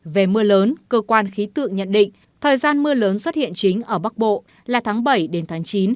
về mưa lớn cơ quan khí tượng nhận định thời gian mưa lớn xuất hiện chính ở bắc bộ là tháng bảy đến tháng chín